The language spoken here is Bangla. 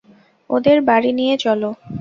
ওদের বাড়ি নিয়ে চলো!